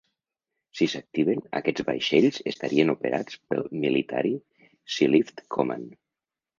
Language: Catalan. Si s'activen, aquests vaixells estarien operats pel Military Sealift Command.